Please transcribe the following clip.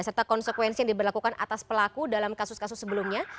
serta konsekuensi yang diberlakukan atas pelaku dalam kasus kasus sebelumnya